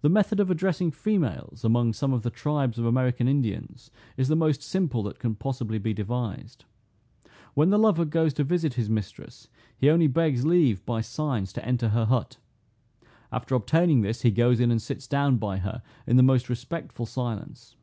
The method of addressing females, among some of the tribes of American Indians, is the most simple that can possibly be devised. When the lover goes to visit his mistress, he only begs leave, by signs, to enter her hut. After obtaining this, he goes in, and sits down by her in the most respectful silence.